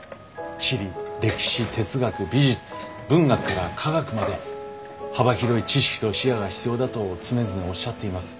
地理歴史哲学美術文学から科学まで幅広い知識と視野が必要だと常々おっしゃっています。